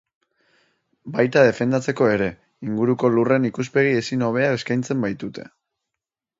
Baita defendatzeko ere, inguruko lurren ikuspegi ezin hobea eskaintzen baitute.